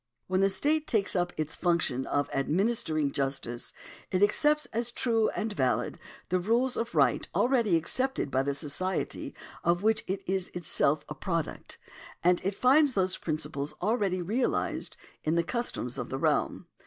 When the state takes up its function of administering justice, it accepts as true and valid the rules of right already accepted by the society of which it is itself a product, and it finds those principles already realised in the customs of the realm.